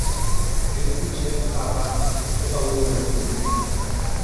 E li concedic papa çò qu'auie de besonh?